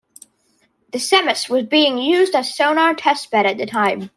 The "Semmes" was being used as a sonar testbed at the time.